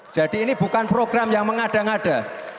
jadi ini bukan program yang mengada ngada